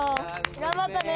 頑張ったね。